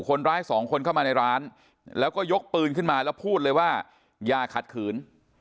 คนร้ายสองคนเข้ามาในร้านแล้วก็ยกปืนขึ้นมาแล้วพูดเลยว่าอย่าขัดขืน